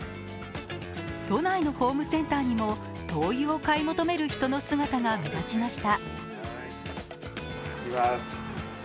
都内のホームセンターにも灯油を買い求める人の姿が目立ちました。